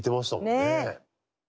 ねえ。